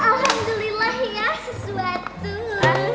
alhamdulillah ya sesuatu